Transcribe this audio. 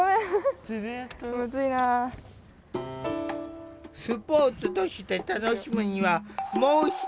スポーツとして楽しむにはもう一工夫必要。